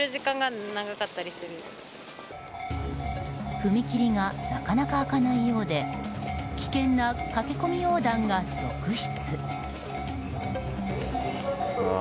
踏切がなかなか開かないようで危険な駆け込み横断が続出。